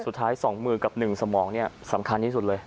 สุดท้าย๒มือกับ๑สมองเนี่ยสำคัญที่สุดเลย